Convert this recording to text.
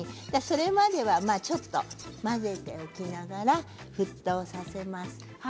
それまでは、ちょっと混ぜておきながら沸騰させます。